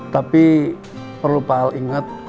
tapi perlu pak al ingat